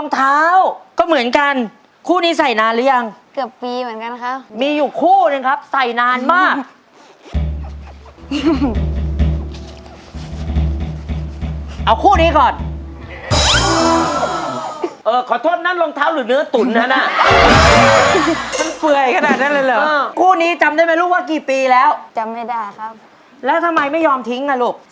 ใส่ไม่ได้แล้วอ่ะยังเก็บได้เหรอลูกโอ้โหมันก็ติ้วมากเลยนะลูก